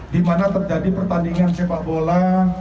di mana terjadi pertandingan sepak bola